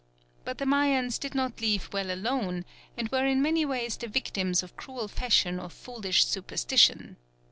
But the Mayans did not leave well alone, and were in many ways the victims of cruel fashion or foolish superstition.